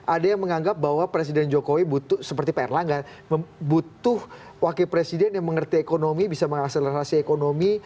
ada yang menganggap bahwa presiden jokowi butuh seperti pak erlangga butuh wakil presiden yang mengerti ekonomi bisa mengakselerasi ekonomi